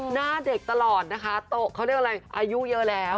หน้าเด็กตลอดนะคะโต๊ะเขาเรียกอะไรอายุเยอะแล้ว